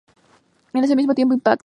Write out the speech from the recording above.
En ese mismo Impact!